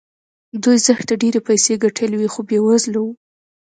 دوی زښته ډېرې پيسې ګټلې وې خو بې وزله وو.